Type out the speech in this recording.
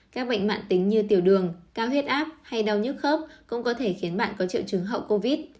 các bệnh mạng tính như tiểu đường cao huyết áp hay đau nhốc cũng có thể khiến bạn có triệu chứng hậu covid